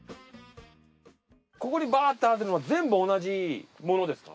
ここにバーッてあるのは全部同じものですか？